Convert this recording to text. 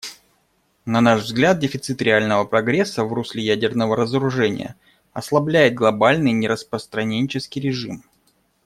На наш взгляд, дефицит реального прогресса в русле ядерного разоружения ослабляет глобальный нераспространенческий режим.